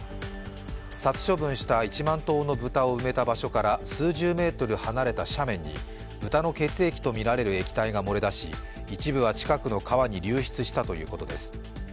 殺処分した１万頭の豚を埋めた場所から数十メートル離れた斜面に豚の血液とみられる液体が漏れ出し一部は近くの川に流出したということです。